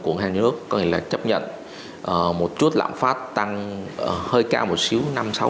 có nghĩa là chấp nhận một chút lãm phát tăng hơi cao một xíu năm sáu